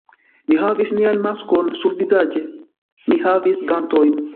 Mi havis nian maskon survizaĝe, mi havis gantojn.